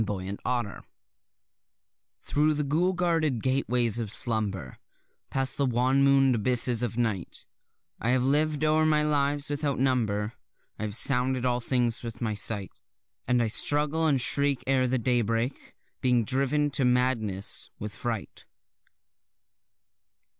Lovecraft Thro' the ghoul guarded gateways of slumber, Past the wan moon'd abysses of night, I have liv'd o'er my lives without number, I have sounded all things with my sight; And I struggle and shriek ere the daybreak, being driven to madness with fright.